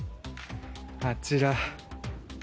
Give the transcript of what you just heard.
あちら。